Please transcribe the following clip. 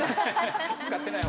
使ってない方。